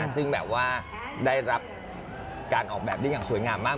ซึ่งแบบว่าได้รับการออกแบบได้อย่างสวยงามมาก